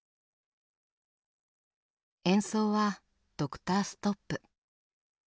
演奏はドクターストップ。